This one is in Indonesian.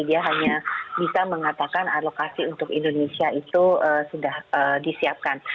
dia hanya bisa mengatakan alokasi untuk indonesia itu sudah disiapkan